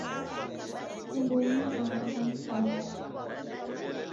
Kwabonyeragha ani kazi